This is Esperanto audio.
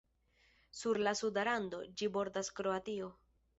Sur la suda rando, ĝi bordas Kroatio.